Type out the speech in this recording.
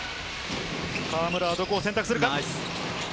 河村はどこ選択するか？